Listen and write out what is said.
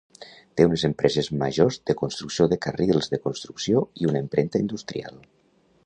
Té unes empreses majors de construcció de carrils, de construcció i una impremta industrial.